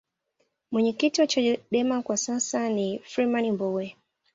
mwenyekiti wa chadema kwa sasa ni freeman mbowe